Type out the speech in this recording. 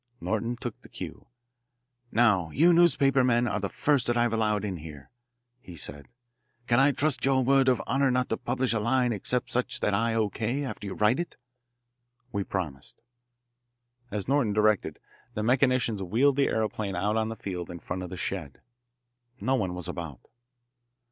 Norton took the cue. "Now you newspaper men are the first that I've allowed in here," he said. "Can I trust your word of honour not to publish a line except such as I O.K. after you write it?" We promised. As Norton directed, the mechanicians wheeled the aeroplane out on the field in front of the shed. No one was about.